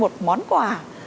một món quà